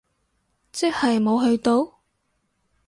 即係冇去到？